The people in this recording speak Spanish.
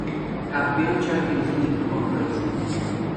Campeón champions league con racing